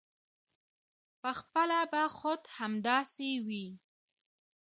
پخپله به خود همداسې وي.